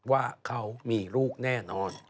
ว่าเขามีลูกแน่นอน